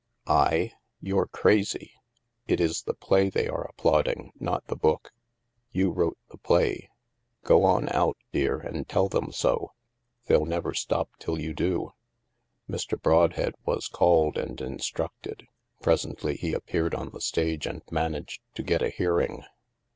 I? You're crazy. It is the play they are ap plauding, not the book. You wrote the play. Go on out, dear, and tell them so. They'll never stop till you do." Mr. Brodhead was called and instructed. Pres ently, he appeared on the stage and managed to get a hearing.